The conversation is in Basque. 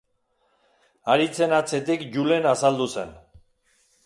Haritzen atzetik Julen azaldu zen.